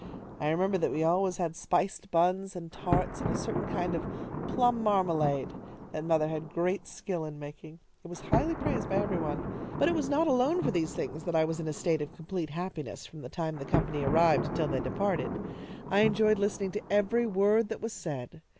I remember that we always had spiced buns and tarts and a certain kind of plum marmalade that mother had great skill in making. It was highly praised by every one. But it was not alone for these things that I was in a state of complete happiness from the time the company arrived until they departed. I enjoyed listening to every word that was said.